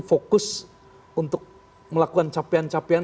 fokus untuk melakukan capaian capaian